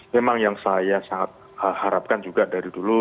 memang yang saya sangat harapkan juga dari dulu